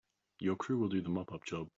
Your crew will do the mop up job.